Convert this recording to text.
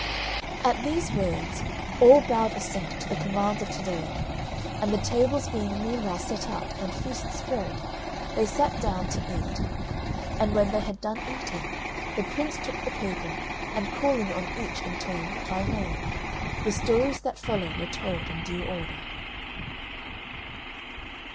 At these words, all bowed assent to the commands of Taddeo; and the tables being meanwhile set out and feast spread, they sat down to eat. And when they had done eating, the Prince took the paper and calling on each in turn, by name, the stories that follow were told, in due order.